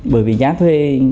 bởi vì giá thuê